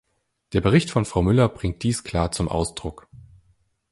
Der Bericht von Frau Myller bringt dies klar zum Ausdruck.